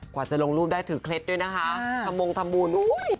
กว่าจะลงรูปได้ถือเคล็ดด้วยนะคะทะมงทะมบูรณ์